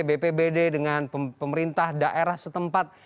bpbd dengan pemerintah daerah setempat